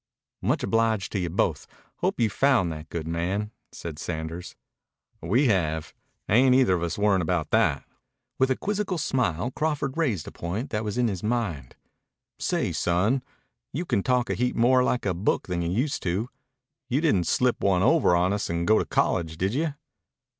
"Much obliged to you both. Hope you've found that good man," said Sanders. "We have. Ain't either of us worryin' about that." With a quizzical smile Crawford raised a point that was in his mind. "Say, son, you talk a heap more like a book than you used to. You didn't slip one over on us and go to college, did you?"